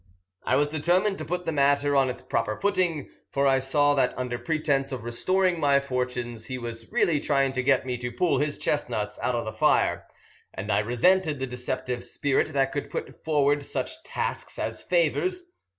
I was determined to put the matter on its proper footing, for I saw that under pretence of restoring my fortunes he was really trying to get me to pull his chestnuts out of the fire, and I resented the deceptive spirit that could put forward such tasks as favours.